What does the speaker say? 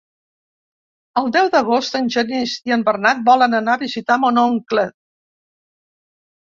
El deu d'agost en Genís i en Bernat volen anar a visitar mon oncle.